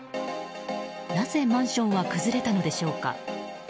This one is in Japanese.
なぜマンションは崩れたのでしょうか。